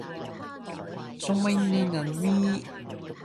睇得出佢已經無晒火